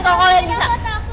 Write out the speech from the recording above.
kalau kalian bisa